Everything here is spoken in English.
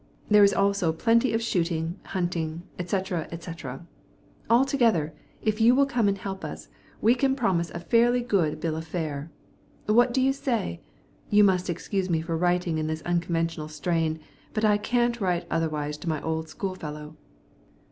There is also plenty of shooting, hunting, etc., etc. Altogether, if you will come and help us; we can promise a fairly good bill of fare. What do you say? You must excuse me for writing in this unconventional strain, but I can't write otherwise to my old schoolfellow.